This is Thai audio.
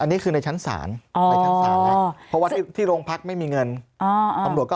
อันนี้คือในชั้นสารในชั้นสารแหละ